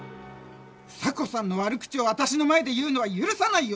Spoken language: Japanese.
房子さんの悪口をあたしの前で言うのは許さないよ！